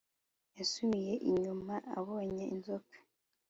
Yasubiye inyuma abonye inzoka